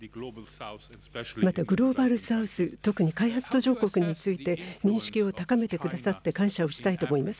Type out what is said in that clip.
またグローバル・サウス、特に開発途上国について認識を高めてくださって感謝をしたいと思います。